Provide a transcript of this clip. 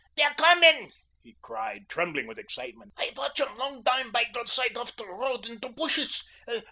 "Dey're commen," he cried, trembling with excitement. "I watch um long dime bei der side oaf der roadt in der busches.